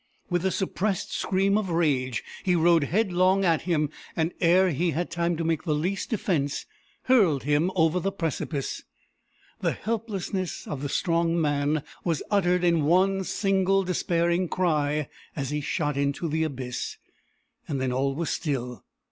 With a suppressed scream of rage, he rode head long at him, and ere he had time to make the least defence, hurled him over the precipice. The helplessness of the strong man was uttered in one single despairing cry as he shot into the abyss. Then all was still.